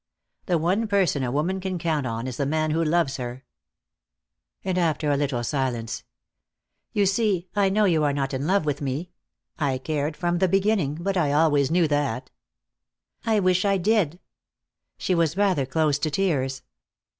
The one person a woman can count on is the man who loves her." And after a little silence: "You see, I know you are not in love with me. I cared from the beginning, but I always knew that." "I wish I did." She was rather close to tears.